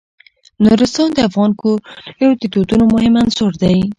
نورستان د افغان کورنیو د دودونو مهم عنصر دی.